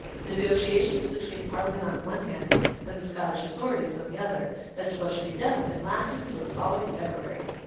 Negotiations between the Parliament on the one hand and the Scottish authorities on the other, as to what should be done with him, lasted until the following February.